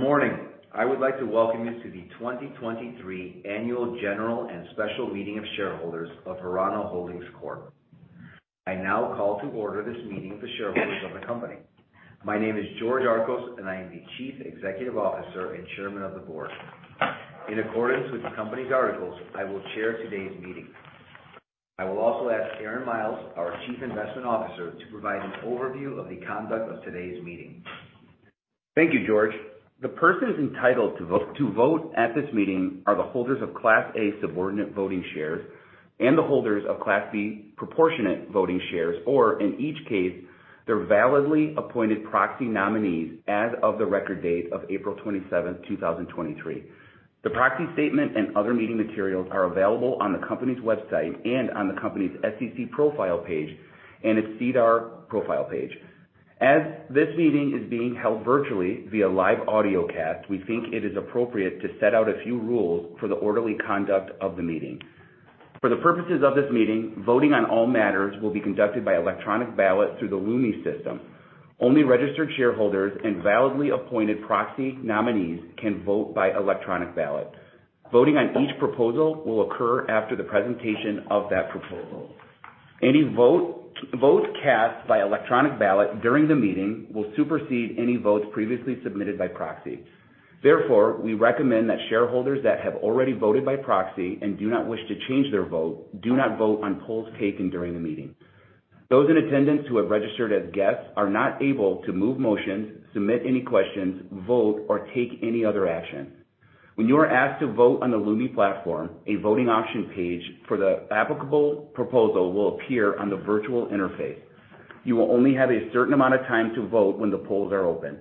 Good morning! I would like to welcome you to the 2023 Annual General and Special Meeting of Shareholders of Verano Holdings Corp. I now call to order this meeting of the shareholders of the company. My name is George Archos, and I am the Chief Executive Officer and Chairman of the Board. In accordance with the company's articles, I will chair today's meeting. I will also ask Aaron Miles, our Chief Investment Officer, to provide an overview of the conduct of today's meeting. Thank you, George. The persons entitled to vote at this meeting are the holders of Class A subordinate voting shares and the holders of Class B proportionate voting shares, or in each case, their validly appointed proxy nominees as of the record date of April 27, 2023. The proxy statement and other meeting materials are available on the company's website and on the company's SEC profile page and its SEDAR profile page. As this meeting is being held virtually via live audio cast, we think it is appropriate to set out a few rules for the orderly conduct of the meeting. For the purposes of this meeting, voting on all matters will be conducted by electronic ballot through the Lumi system. Only registered shareholders and validly appointed proxy nominees can vote by electronic ballot. Voting on each proposal will occur after the presentation of that proposal. Any votes cast by electronic ballot during the meeting will supersede any votes previously submitted by proxy. Therefore, we recommend that shareholders that have already voted by proxy and do not wish to change their vote, do not vote on polls taken during the meeting. Those in attendance who have registered as guests are not able to move motions, submit any questions, vote, or take any other action. When you are asked to vote on the Lumi platform, a voting option page for the applicable proposal will appear on the virtual interface. You will only have a certain amount of time to vote when the polls are open.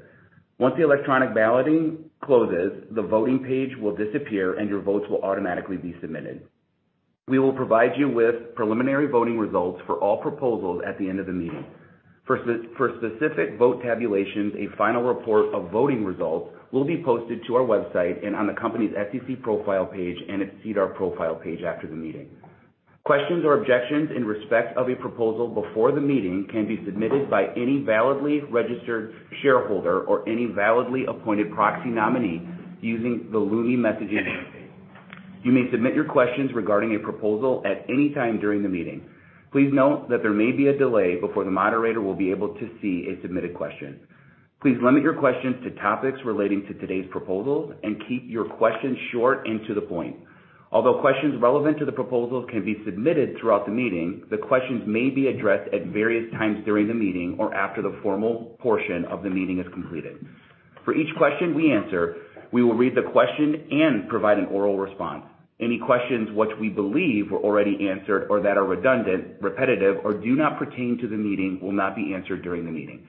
Once the electronic balloting closes, the voting page will disappear, and your votes will automatically be submitted. We will provide you with preliminary voting results for all proposals at the end of the meeting. For specific vote tabulations, a final report of voting results will be posted to our website and on the company's SEC profile page and its SEDAR profile page after the meeting. Questions or objections in respect of a proposal before the meeting can be submitted by any validly registered shareholder or any validly appointed proxy nominee using the Lumi messaging page. You may submit your questions regarding a proposal at any time during the meeting. Please note that there may be a delay before the moderator will be able to see a submitted question. Please limit your questions to topics relating to today's proposals and keep your questions short and to the point. Although questions relevant to the proposals can be submitted throughout the meeting, the questions may be addressed at various times during the meeting or after the formal portion of the meeting is completed. For each question we answer, we will read the question and provide an oral response. Any questions which we believe were already answered or that are redundant, repetitive, or do not pertain to the meeting, will not be answered during the meeting.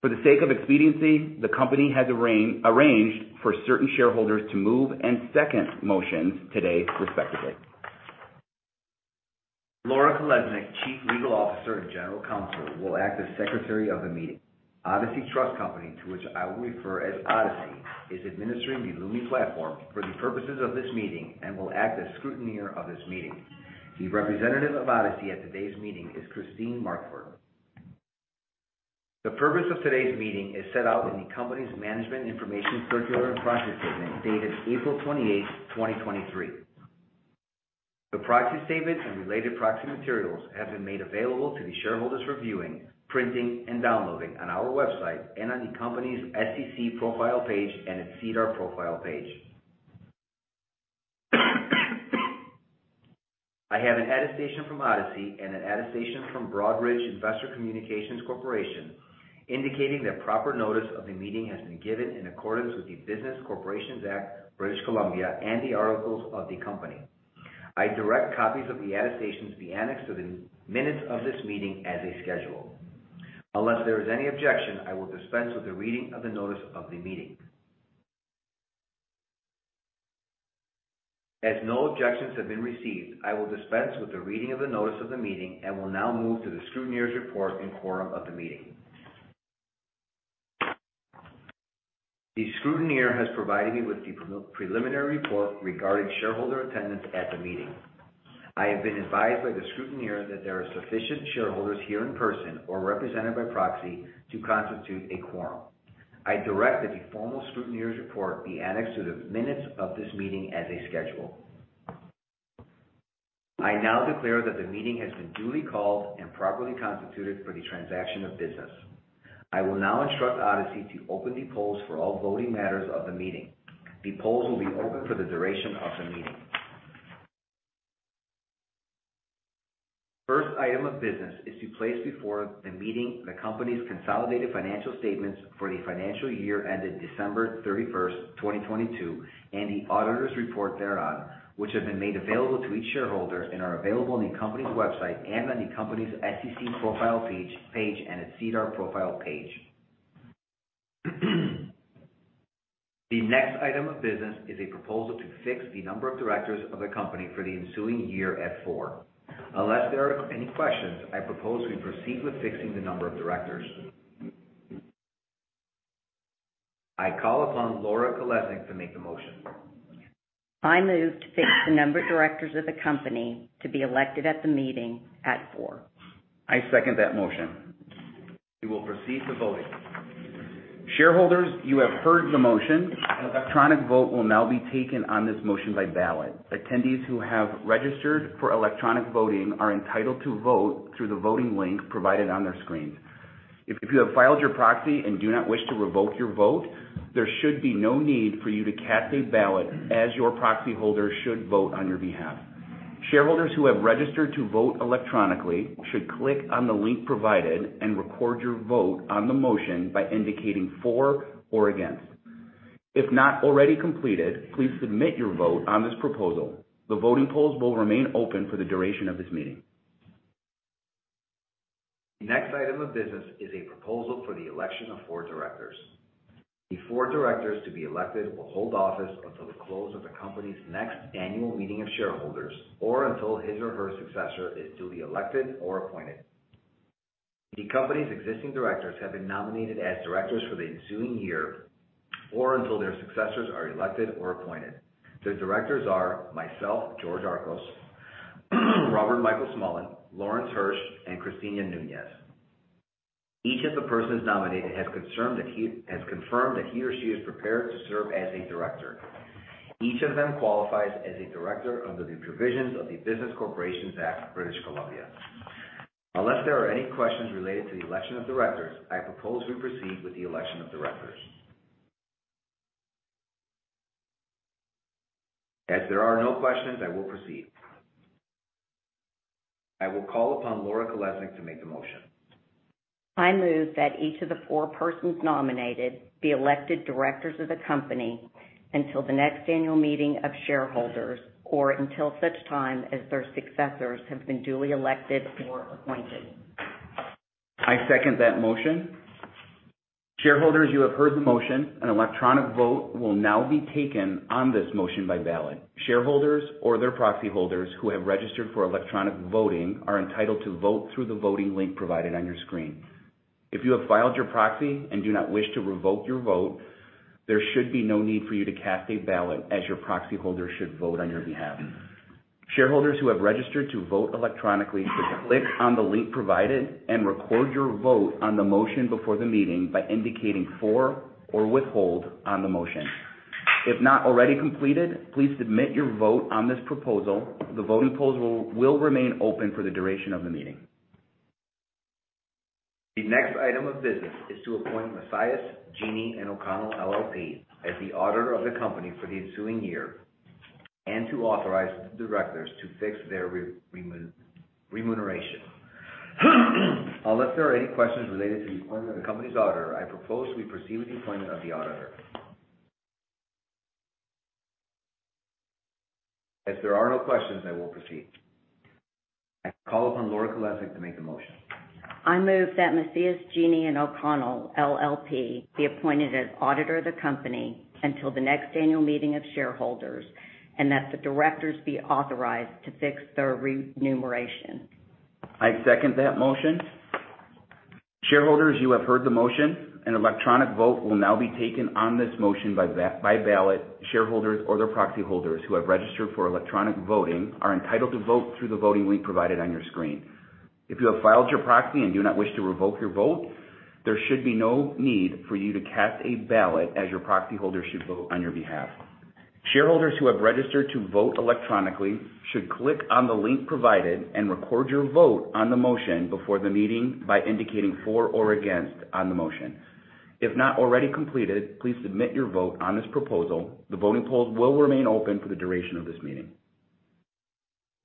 For the sake of expediency, the company has arranged for certain shareholders to move and second motions today, respectively. Laura Kalesnik, Chief Legal Officer and General Counsel, will act as Secretary of the meeting. Odyssey Trust Company, to which I will refer as Odyssey, is administering the Lumi platform for the purposes of this meeting and will act as scrutineer of this meeting. The representative of Odyssey at today's meeting is Christine Marquart. The purpose of today's meeting is set out in the company's Management Information Circular and Proxy Statement, dated April 28, 2023. The proxy statement and related proxy materials have been made available to the shareholders for reviewing, printing, and downloading on our website and on the company's SEC profile page and its SEDAR profile page. I have an attestation from Odyssey and an attestation from Broadridge Investor Communications Corporation, indicating that proper notice of the meeting has been given in accordance with the Business Corporations Act, British Columbia, and the articles of the company. I direct copies of the attestations be annexed to the minutes of this meeting as a schedule. Unless there is any objection, I will dispense with the reading of the notice of the meeting. As no objections have been received, I will dispense with the reading of the notice of the meeting and will now move to the scrutineer's report and quorum of the meeting. The scrutineer has provided me with the preliminary report regarding shareholder attendance at the meeting. I have been advised by the scrutineer that there are sufficient shareholders here in person or represented by proxy to constitute a quorum. I direct that the formal scrutineer's report be annexed to the minutes of this meeting as a schedule. I now declare that the meeting has been duly called and properly constituted for the transaction of business. I will now instruct Odyssey to open the polls for all voting matters of the meeting. The polls will be open for the duration of the meeting. First item of business is to place before the meeting the company's consolidated financial statements for the financial year ended December 31st, 2022, and the auditor's report thereon, which have been made available to each shareholder and are available on the company's website and on the company's SEC profile page and its SEDAR profile page. The next item of business is a proposal to fix the number of directors of the company for the ensuing year at 4. Unless there are any questions, I propose we proceed with fixing the number of directors. I call upon Laura Kalesnik to make the motion. I move to fix the number of directors of the company to be elected at the meeting at four. I second that motion. We will proceed to voting. Shareholders, you have heard the motion. An electronic vote will now be taken on this motion by ballot. Attendees who have registered for electronic voting are entitled to vote through the voting link provided on their screens. If you have filed your proxy and do not wish to revoke your vote, there should be no need for you to cast a ballot, as your proxy holder should vote on your behalf. Shareholders who have registered to vote electronically should click on the link provided and record your vote on the motion by indicating for or against. If not already completed, please submit your vote on this proposal. The voting polls will remain open for the duration of this meeting. The next item of business is a proposal for the election of four directors. The four directors to be elected will hold office until the close of the company's next annual meeting of shareholders, or until his or her successor is duly elected or appointed. The company's existing directors have been nominated as directors for the ensuing year or until their successors are elected or appointed. The directors are myself, George Archos, Robert Michael Smullen, Lawrence Hirsch, and Cristina Nuñez. Each of the persons nominated has confirmed that he or she is prepared to serve as a director. Each of them qualifies as a director under the provisions of the Business Corporations Act, British Columbia. Unless there are any questions related to the election of directors, I propose we proceed with the election of directors. As there are no questions, I will proceed. I will call upon Laura Kalesnik to make the motion. I move that each of the four persons nominated be elected directors of the company until the next annual meeting of shareholders, or until such time as their successors have been duly elected or appointed. I second that motion. Shareholders, you have heard the motion. An electronic vote will now be taken on this motion by ballot. Shareholders or their proxy holders who have registered for electronic voting are entitled to vote through the voting link provided on your screen. If you have filed your proxy and do not wish to revoke your vote, there should be no need for you to cast a ballot, as your proxy holder should vote on your behalf. Shareholders who have registered to vote electronically, click on the link provided and record your vote on the motion before the meeting by indicating for or withhold on the motion. If not already completed, please submit your vote on this proposal. The voting polls will remain open for the duration of the meeting. The next item of business is to appoint Macias Gini & O'Connell LLP, as the auditor of the company for the ensuing year, and to authorize the directors to fix their remuneration. Unless there are any questions related to the appointment of the company's auditor, I propose we proceed with the appointment of the auditor. As there are no questions, I will proceed. I call upon Laura Kalesnik to make the motion. I move that Macias Gini & O'Connell LLP, be appointed as auditor of the company until the next annual meeting of shareholders, and that the directors be authorized to fix their remuneration. I second that motion. Shareholders, you have heard the motion. An electronic vote will now be taken on this motion by ballot. Shareholders or their proxy holders who have registered for electronic voting are entitled to vote through the voting link provided on your screen. If you have filed your proxy and do not wish to revoke your vote, there should be no need for you to cast a ballot, as your proxy holder should vote on your behalf. Shareholders who have registered to vote electronically should click on the link provided and record your vote on the motion before the meeting by indicating for or against on the motion. If not already completed, please submit your vote on this proposal. The voting polls will remain open for the duration of this meeting.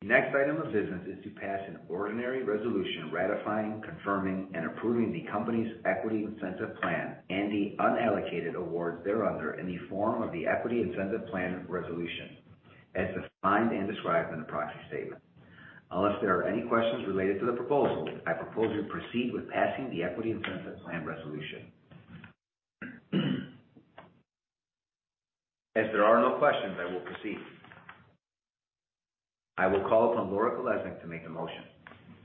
The next item of business is to pass an ordinary resolution ratifying, confirming, and approving the company's Equity Incentive Plan and the unallocated awards thereunder in the form of the Equity Incentive Plan resolution, as defined and described in the Proxy Statement. Unless there are any questions related to the proposal, I propose we proceed with passing the Equity Incentive Plan resolution. There are no questions, I will proceed. I will call upon Laura Kalesnik to make a motion.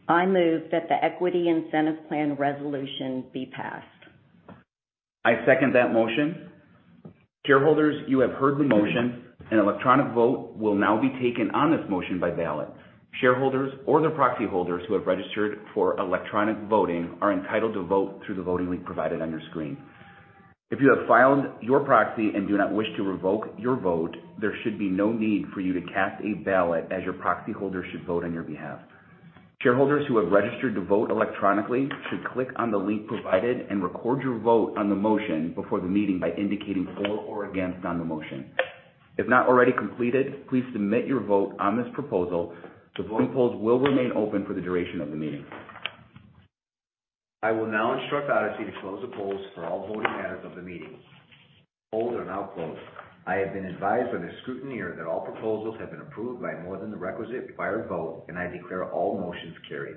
I move that the Equity Incentive Plan resolution be passed. I second that motion. Shareholders, you have heard the motion. An electronic vote will now be taken on this motion by ballot. Shareholders or their proxy holders who have registered for electronic voting are entitled to vote through the voting link provided on your screen. If you have filed your proxy and do not wish to revoke your vote, there should be no need for you to cast a ballot, as your proxy holder should vote on your behalf. Shareholders who have registered to vote electronically should click on the link provided and record your vote on the motion before the meeting by indicating for or against on the motion. If not already completed, please submit your vote on this proposal. The voting polls will remain open for the duration of the meeting. I will now instruct Odyssey to close the polls for all voting matters of the meeting. Polls are now closed. I have been advised by the scrutineer that all proposals have been approved by more than the requisite prior vote. I declare all motions carried.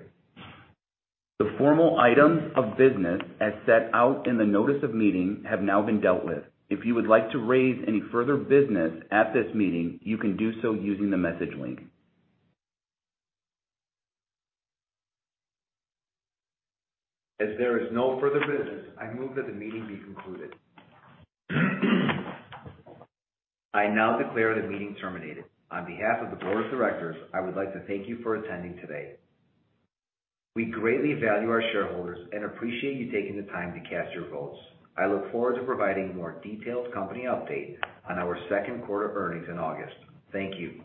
The formal items of business, as set out in the notice of meeting, have now been dealt with. If you would like to raise any further business at this meeting, you can do so using the message link. As there is no further business, I move that the meeting be concluded. I now declare the meeting terminated. On behalf of the board of directors, I would like to thank you for attending today. We greatly value our shareholders and appreciate you taking the time to cast your votes. I look forward to providing a more detailed company update on our second quarter earnings in August. Thank you.